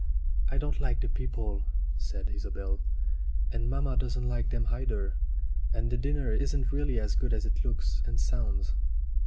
"I don't like the people," said Isobel. "And mamma doesn't like them either. And the dinner isn't nearly as good as it looks and sounds.